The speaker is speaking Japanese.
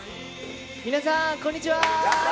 皆さん、こんにちは。